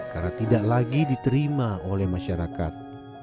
karena tidak lagi diterima oleh masyarakat